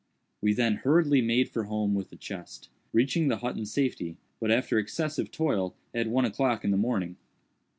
We then hurriedly made for home with the chest; reaching the hut in safety, but after excessive toil, at one o'clock in the morning.